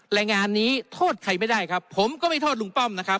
รายงานนี้โทษใครไม่ได้ครับผมก็ไม่โทษลุงป้อมนะครับ